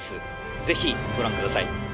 是非ご覧ください。